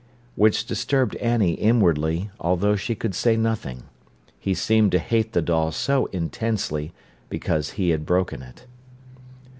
Which disturbed Annie inwardly, although she could say nothing. He seemed to hate the doll so intensely, because he had broken it.